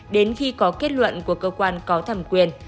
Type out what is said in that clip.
đến khi có kết luận của cơ quan có thẩm quyền